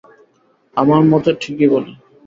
আমার মতে ঠিকই বলে।